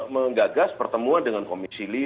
menggagas pertemuan dengan komisi lima